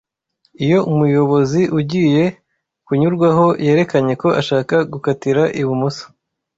iyo umuyobozi ugiye kunyurwaho yerekanye ko ashaka gukatira ibumoso